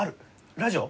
ラジオ？